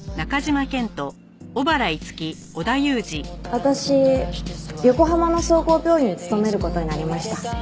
私横浜の総合病院に勤める事になりました。